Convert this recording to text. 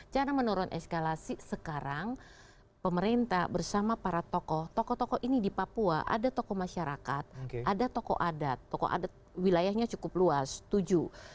cara menurun eskalasi sekarang pemerintah bersama para tokoh tokoh ini di papua ada tokoh masyarakat ada tokoh adat tokoh adat wilayahnya cukup luas tujuh